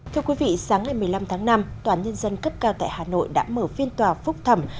thưa quý vị sáng ngày một mươi năm tháng năm tòa án nhân dân cấp cao tại hà nội đã mở phiên tòa phúc thẩm